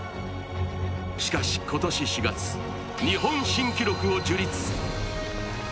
しかし今年４月、日本新記録を樹立。